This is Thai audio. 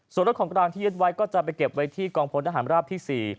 ส่วนรถของกลางที่ยึดไว้ก็จะไปเก็บไว้ที่กองพลทหารราบที่๔